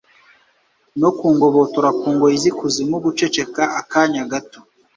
no kungobotora ku ngoyi z’ikuzimu guceceka akanya gato